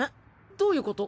どういうこと？